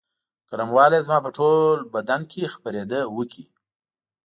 ګرموالي یې زما په ټول بدن کې خپرېدو وکړې.